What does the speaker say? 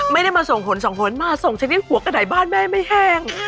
ไม่ได้มาส่งผลสองหนมาส่งชนิดหัวกระดายบ้านแม่ไม่แห้ง